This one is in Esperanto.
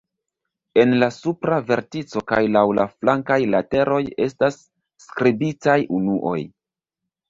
En la supra vertico kaj laŭ la flankaj lateroj estas skribitaj unuoj.